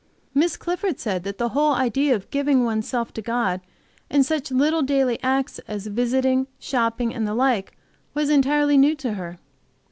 Miss Clifford said that the whole idea of giving one's self to God in such little daily acts as visiting, shopping, and the like, was entirely new to her.